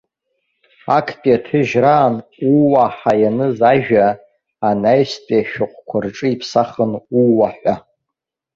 Актәи аҭыжьраан ууа ҳәа ианыз ажәа, анаҩстәи ашәҟәқәа рҿы иԥсахын ууа ҳәа.